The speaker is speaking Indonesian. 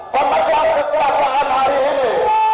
pemajam kekasangan hari ini